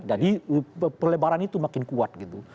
jadi pelebaran itu makin kuat gitu